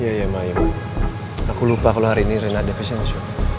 iya ya emak aku lupa kalo hari ini rena defisiensi